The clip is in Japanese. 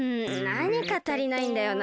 なにかたりないんだよな。